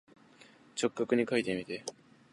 直角にかいてみて。